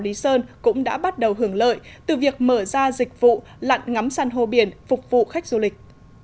lý sơn cũng đã bắt đầu hưởng lợi từ việc mở ra dịch vụ lặn ngắm san hô biển phục vụ khách du lịch